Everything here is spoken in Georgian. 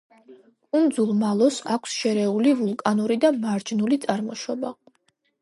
კუნძულ მალოს აქვს შერეული ვულკანური და მარჯნული წარმოშობა.